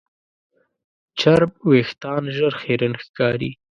چرب وېښتيان ژر خیرن ښکاري.